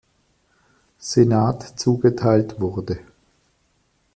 Senat zugeteilt wurde.